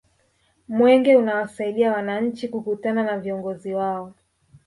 mwenge unawasaidia wananchi kukutana na viongozi wao